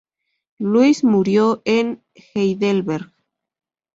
Luis murió en Heidelberg.